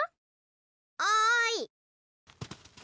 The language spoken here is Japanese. おい！